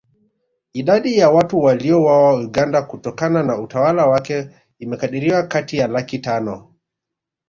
Idadi ya watu waliouawa Uganda kutokana na utawala wake imekadiriwa kati ya laki tano